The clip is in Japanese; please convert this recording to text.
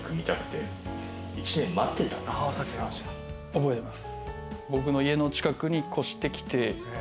覚えてます。